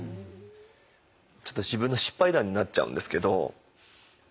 ちょっと自分の失敗談になっちゃうんですけど。